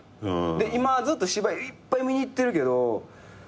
で今ずっと芝居いっぱい見に行ってるけどもう。